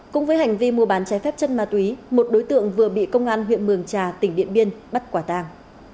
cùng với hành vi mua bán trái phép chất ma túy một đối tượng vừa bị công an huyện mường trà tỉnh điện biên bắt quả tang